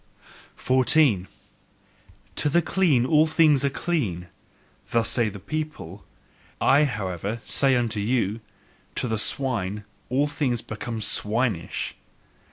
14. "To the clean are all things clean" thus say the people. I, however, say unto you: To the swine all things become swinish!